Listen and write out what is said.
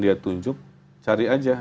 dia tunjuk cari aja